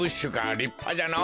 りっぱじゃのぉ。